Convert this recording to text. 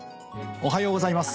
おはようございます。